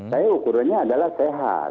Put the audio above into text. saya ukurannya adalah sehat